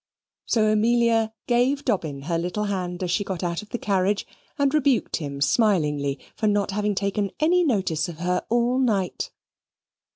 So Amelia gave Dobbin her little hand as she got out of the carriage, and rebuked him smilingly for not having taken any notice of her all night.